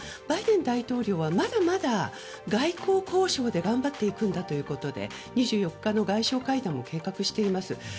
バイデン大統領はまだまだ外交交渉で頑張っていくんだということで２４日の外相会談を計画しています。